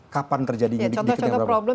kapan terjadinya contoh contoh problem